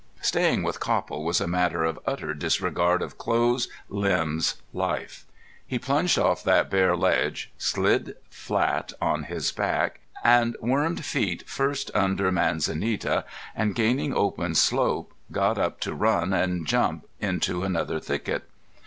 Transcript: Staying with Copple was a matter of utter disregard of clothes, limbs, life. He plunged off that bare ledge, slid flat on his back, and wormed feet first under manzanita, and gaining open slope got up to run and jump into another thicket.